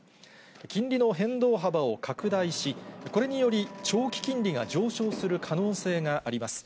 金利の変動幅を拡大し、これにより、長期金利が上昇する可能性があります。